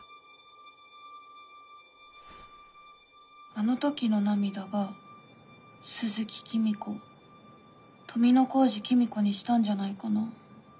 あの時の涙が鈴木公子を富小路公子にしたんじゃないかな。